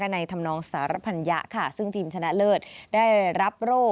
ในธรรมนองสารพัญญะค่ะซึ่งทีมชนะเลิศได้รับโร่